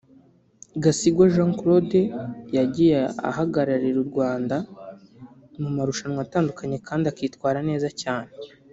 Gasigwa Jean Claude yagiye ahagararira u Rwanda mu marushanwa atandukanye kandi akitwara neza cyane